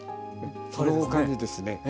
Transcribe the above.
その他にですね